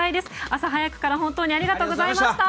朝早くから本当にありがとうございました。